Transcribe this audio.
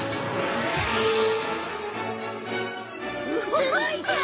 すごいじゃん！